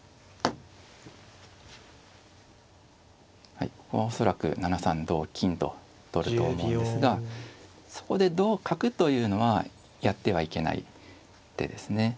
はいここは恐らく７三同金と取ると思うんですがそこで同角というのはやってはいけない手ですね。